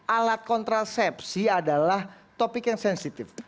alat kontrasepsi adalah topik yang sensitif